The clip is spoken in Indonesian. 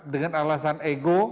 dengan alasan ego